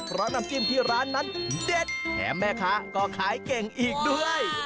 เพราะน้ำจิ้มที่ร้านนั้นเด็ดแถมแม่ค้าก็ขายเก่งอีกด้วย